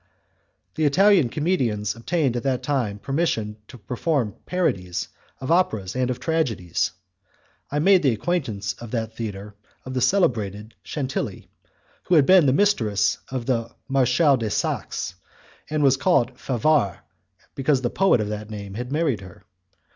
The Italian comedians obtained at that time permission to perform parodies of operas and of tragedies. I made the acquaintance at that theatre of the celebrated Chantilly, who had been the mistress of the Marechal de Saxe, and was called Favart because the poet of that name had married her.